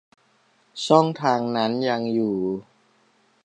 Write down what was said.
ช่องทางนั้นยังอยู่